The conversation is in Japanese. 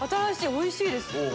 おいしいです。